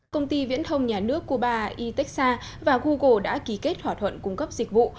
công ty viễn thông nhà nước cuba itexa và google đã ký kết hỏa thuận cung cấp dịch vụ